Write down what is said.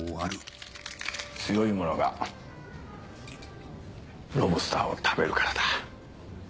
強い者がロブスターを食べるからだ。